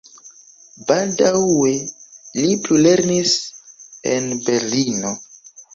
Baldaŭe li plulernis en Berlino.